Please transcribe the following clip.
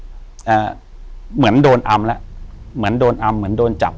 กุมารพายคือเหมือนกับว่าเขาจะมีอิทธิฤทธิ์ที่เยอะกว่ากุมารทองธรรมดา